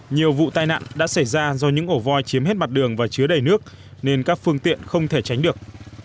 nhiều vụ tai nạn đã xảy ra do những ổ voi chiếm hết mặt đường và chứa đầy nước nên các phương tiện không thể tránh được